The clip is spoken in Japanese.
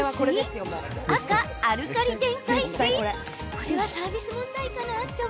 これはサービス問題かな？